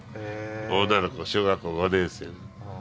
女の子小学校５年生の。